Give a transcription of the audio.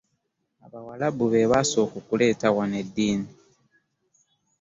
Abawalabu be baasoka okuleeta wano eddiini.